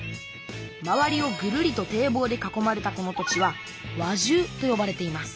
周りをぐるりと堤防で囲まれたこの土地は輪中とよばれています